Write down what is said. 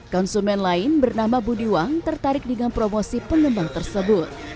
konsumen lain bernama budi wang tertarik dengan promosi pengembang tersebut